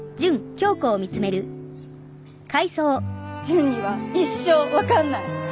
純には一生わかんない。